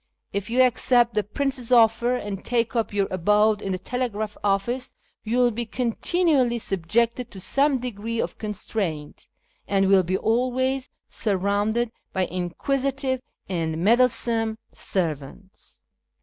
If you accept the prince's offer and take up your abode in the telegraph office, you will be continually subjected to some degree of constraint, and will be always surrounded by inquisitive and meddlesome servants.